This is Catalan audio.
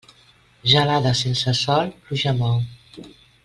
Gelada sense sol, pluja mou.